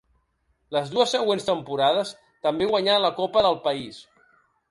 Les dues següents temporades també guanyà la copa del país.